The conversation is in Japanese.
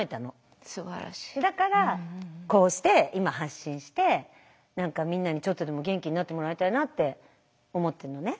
だからこうして今発信して何かみんなにちょっとでも元気になってもらいたいなって思ってるのね。